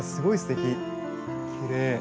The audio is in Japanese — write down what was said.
きれい！